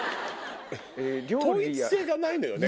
統一性がないのよね